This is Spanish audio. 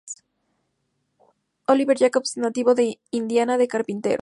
Oliver Jacobs, nativo de Indiana fue carpintero.